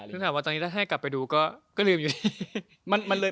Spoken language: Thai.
ถ้าเกิดให้กลับไปดูก็ลืมอยู่นี้